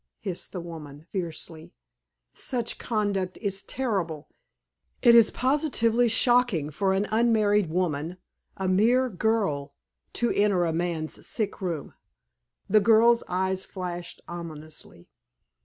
hissed the woman, fiercely. "Such conduct is terrible! It is positively shocking for an unmarried woman a mere girl to enter a man's sick room!" The girl's eyes flashed ominously.